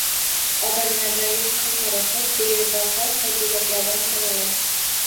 Odamlardagi fahm-farosat bebaho fazilatlardan sanaladi.